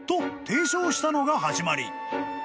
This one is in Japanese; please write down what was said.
提唱したのが始まり］